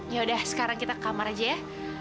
yaudah sekarang kita ke kamar aja ya